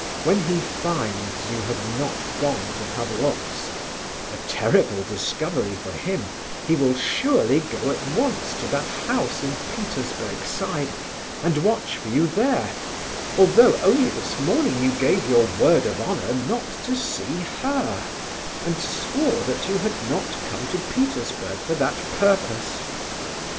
When he finds you have not gone to Pavlofsk—a terrible discovery for him—he will surely go at once to that house in Petersburg Side, and watch for you there, although only this morning you gave your word of honour not to see her, and swore that you had not come to Petersburg for that purpose."